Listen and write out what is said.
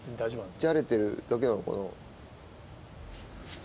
じゃれてるだけなのかな。